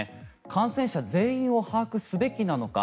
感染者全員を把握すべきなのか。